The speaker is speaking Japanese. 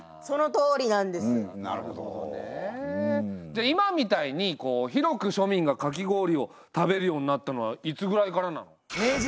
じゃあ今みたいに広く庶民がかき氷を食べるようになったのはいつぐらいからなの？